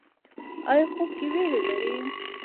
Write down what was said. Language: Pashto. ایا خوب کې ویره لرئ؟